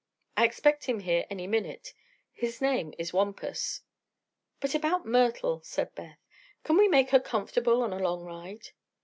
I expect him here any minute. His name is Wampus." "But about Myrtle,"' said Beth. "Can we make her comfortable on a long ride?"